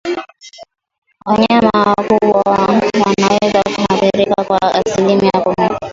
Wanyama wakubwa wanaweza kuathirika kwa asilimia kumi